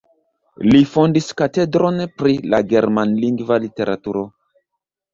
Li fondis katedron pri la germanlingva literaturo.